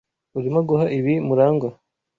Urimo guha ibi Murangwa?